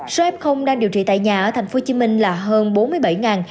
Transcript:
số f đang điều trị tại nhà ở tp hcm là hơn bốn mươi bảy